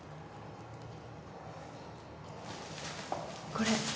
これ。